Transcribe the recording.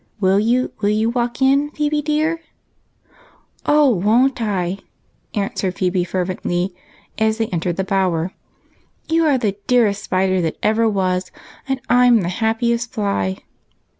Will you, will you walk in, Phebe dear ?"" Oh, won't I !" answered Phebe fervently, adding, as they entered the Bower, " You are the dearest spider that ever was, and I 'm the happiest fly."